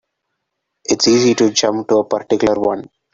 It's easy to jump to a particular one.